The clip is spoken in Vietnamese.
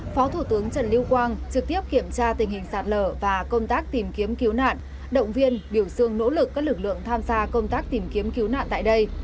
phó thủ tướng trần lưu quang trực tiếp kiểm tra tình hình sạt lở và công tác tìm kiếm cứu nạn động viên biểu dương nỗ lực các lực lượng tham gia công tác tìm kiếm cứu nạn tại đây